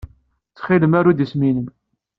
Ttxil-m, aru-d isem-nnem.